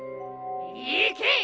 いけ！